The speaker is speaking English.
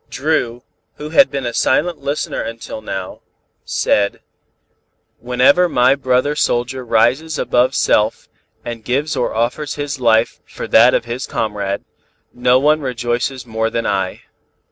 Dru, who had been a silent listener until now, said: "Whenever my brother soldier rises above self and gives or offers his life for that of his comrade, no one rejoices more than I.